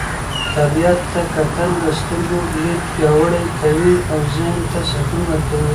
طبیعت ته کتل د سترګو لید پیاوړی کوي او ذهن ته سکون ورکوي.